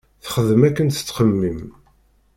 Texdem akken tettxemim.